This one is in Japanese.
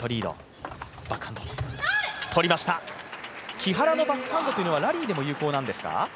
木原のバックハンドというのはラリーでも有効なんですか？